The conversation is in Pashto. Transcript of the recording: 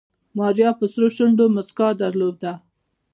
ماريا په سرو شونډو موسکا درلوده.